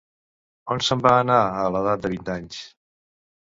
On se'n va anar a l'edat de vint anys?